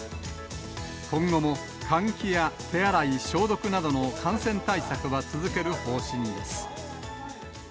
今後も換気や手洗い、消毒などの感染対策は続ける方針です。